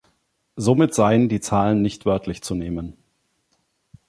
Somit seien die Zahlen nicht wörtlich zu nehmen.